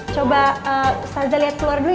coba ustazah lihat keluar dulu ya